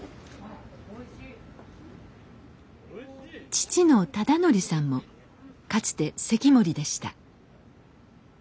父の忠則さんもかつて堰守でした。